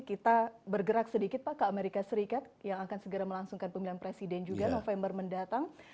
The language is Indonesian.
kita bergerak sedikit pak ke amerika serikat yang akan segera melangsungkan pemilihan presiden juga november mendatang